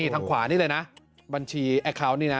ทางขวานี่เลยนะบัญชีแอคเคาน์นี่นะ